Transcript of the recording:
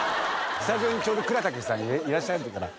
スタジオにちょうど倉たけしさんいらっしゃってるから。